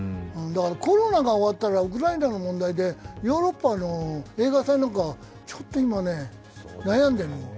だからコロナが終わったらウクライナの問題で、ヨーロッパの映画祭なんか、ちょっと今、悩んでるの。